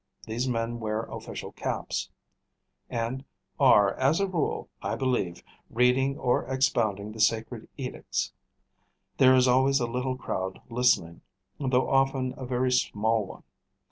These men wear official caps, and are as a rule, I believe, reading or expounding the Sacred Edicts. There is always a little crowd listening, though often a very small one.